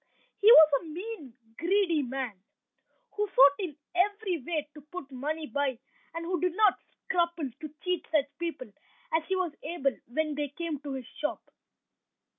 He was a mean, greedy man, who sought in every way to put money by, and who did not scruple to cheat such people as he was able when they came to his shop.